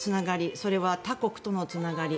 それは他国とのつながり。